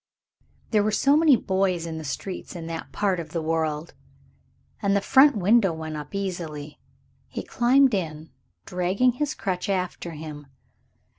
There are so many boys in the streets in that part of the world. And the front window went up easily. He climbed in, dragging his crutch after him.